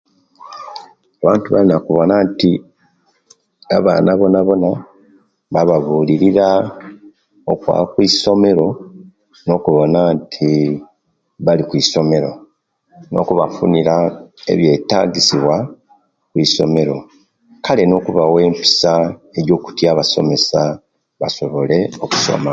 Abantu balina kuwona nti abana bonabona bababulilira okwaba kwisomero no okuwona nti bali kwisomero nokubafunira ebyetagisiwa kwisomero kale nokubawa empisa ejokutia abasomesa basobole okusoma